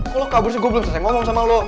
kok lo kabur sih gue belum selesai ngomong sama lo